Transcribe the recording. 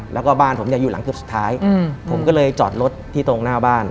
แล้วก็บ้านผมเนี่ยอยู่หลังเกือบสุดท้ายผมก็เลยจอดรถที่ตรงหน้าบ้าน